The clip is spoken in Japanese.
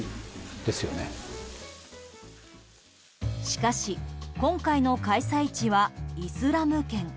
しかし今回の開催地はイスラム圏。